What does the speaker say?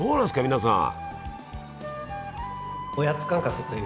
皆さん。